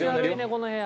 この部屋。